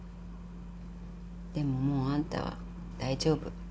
でももうあんたは大丈夫。